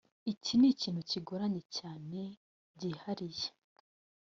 iki ni ikintu kigoranye cyane byihariye